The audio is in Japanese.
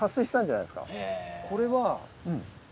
これは。